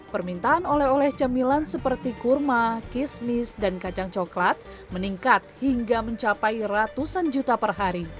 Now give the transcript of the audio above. permintaan oleh oleh cemilan seperti kurma kismis dan kacang coklat meningkat hingga mencapai ratusan juta per hari